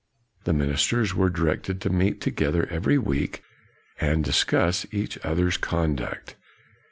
The ministers were directed to meet together every week and discuss each other's con duct.